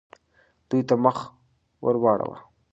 دوی ته مخ ورواړوه.